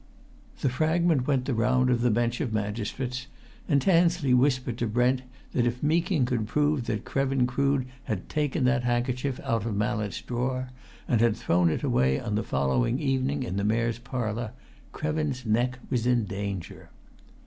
The fragment went the round of the bench of magistrates, and Tansley whispered to Brent that if Meeking could prove that Krevin Crood had taken that handkerchief out of Mallett's drawer, and had thrown it away on the following evening in the Mayor's Parlour, Krevin's neck was in danger.